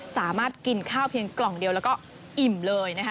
สามารถกินข้าวเพียงกล่องเดียวแล้วก็อิ่มเลยนะคะ